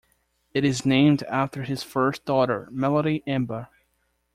It is named after his first daughter Melody Amber.